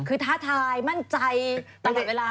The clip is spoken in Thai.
คือท้าทายมั่นใจตลอดเวลา